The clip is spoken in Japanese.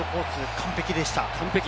完璧でした。